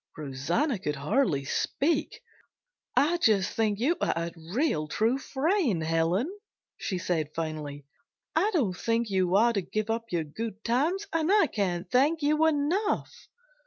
Rosanna could hardly speak. "I just think you are a real true friend, Helen!" she said finally. "I don't think you ought to give up your good times and I can't thank you enough."